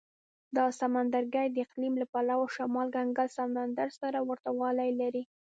دا سمندرګي د اقلیم له پلوه شمال کنګل سمندر سره ورته والی لري.